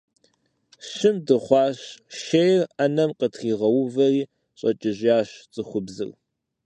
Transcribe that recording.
Щым дыхъуащ, шейр Ӏэнэм къытригъэувэри, щӀэкӀыжащ цӀыхубзыр.